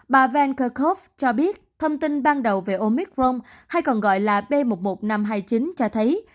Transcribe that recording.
bà van kerkhove cho biết thông tin ban đầu về omicron hay còn gọi là b một một năm trăm hai mươi chín cho thấy